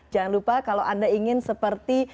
jangan lupa kalau anda ingin seperti